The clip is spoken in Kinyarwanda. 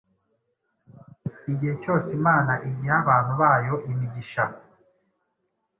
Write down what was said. Igihe cyose Imana igiha abana bayo imigisha